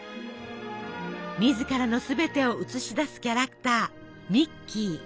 自らのすべてを映し出すキャラクターミッキー。